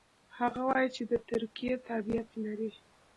هغه وايي چې د ترکیې تابعیت لري.